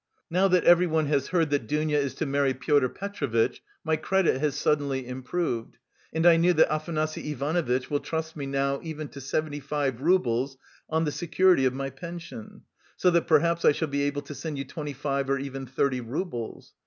Now that everyone has heard that Dounia is to marry Pyotr Petrovitch, my credit has suddenly improved and I know that Afanasy Ivanovitch will trust me now even to seventy five roubles on the security of my pension, so that perhaps I shall be able to send you twenty five or even thirty roubles.